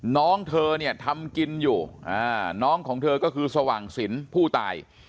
น้องเธอเนี่ยทำกินอยู่น้องของเธอก็คือสว่างสินผู้ตาย